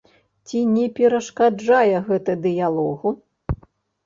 Ці не перашкаджае гэта дыялогу?